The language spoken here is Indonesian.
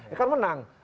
eh kan menang